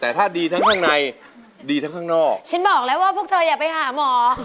แต่ถ้าดีทั้งข้างในดีทั้งข้างนอกฉันบอกแล้วว่าพวกเธออย่าไปหาหมอ